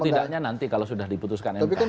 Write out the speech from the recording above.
tidaknya nanti kalau sudah diputuskan mk tapi kan